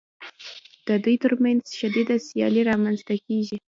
د دوی ترمنځ شدیده سیالي رامنځته کېږي